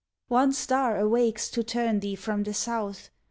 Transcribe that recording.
One star awakes to turn thee from the south.